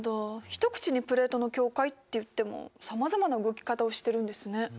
一口にプレートの境界っていってもさまざまな動き方をしてるんですね。